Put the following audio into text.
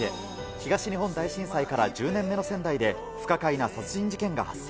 東日本大震災から１０年目の仙台で、不可解な殺人事件が発生。